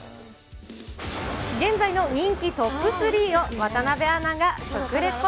現在の人気トップ３を渡邉アナが食レポ。